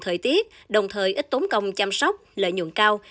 thời tiết đồng thời ít tốn công chăm sóc lợi nhuận cao